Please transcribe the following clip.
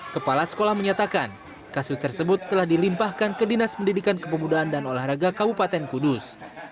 kepala sekolah menyatakan kasus tersebut telah dilimpahkan ke dinas pendidikan kepemudaan dan olahraga kabupaten kudus